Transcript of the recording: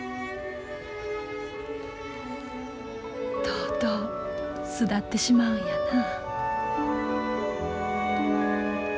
とうとう巣立ってしまうんやな。